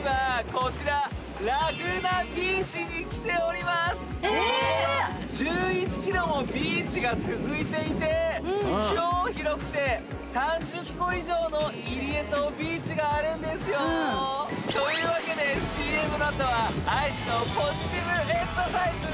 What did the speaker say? ここは１１ｋｍもビーチが続いていて超広くて３０個以上の入り江とビーチがあるんですよというわけでＣＭのあとはＩＧのポジティブエクササイズ